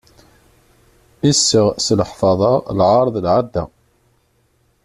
Iseɣ s leḥfaḍa, lɛaṛ d lɛadda.